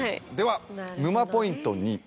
では沼ポイント２。